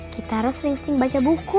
kita harus sering sering baca buku